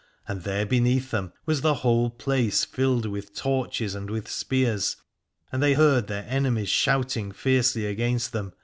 And there beneath them was the whole place filled with torches and with spears, and they heard their enemies shout ing fiercely against them.